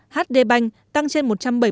hd banh tăng trên một trăm bảy mươi